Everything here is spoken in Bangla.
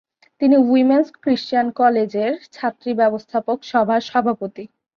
তিনি উইমেনস ক্রিস্টিয়ান কলেজের ছাত্রী ব্যবস্থাপক সভার সভাপতি।